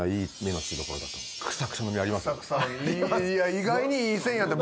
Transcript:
意外にいい線やった。